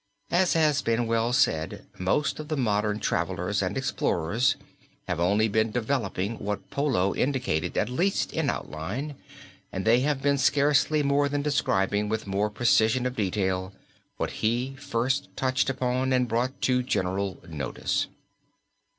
As has been well said most of the modern travelers and explorers have only been developing what Polo indicated at least in outline, and they have been scarcely more than describing with more precision of detail what he first touched upon and brought to general notice.